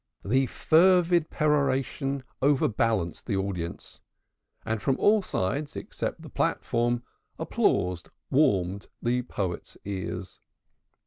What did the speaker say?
The fervid peroration overbalanced the audience, and from all sides except the platform applause warmed the poet's ears.